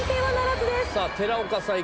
寺岡さん